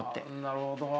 なるほど。